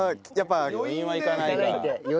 余韻はいかないか。